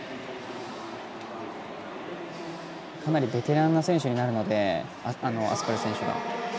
かなりベテランな選手になるのでアスパル選手は。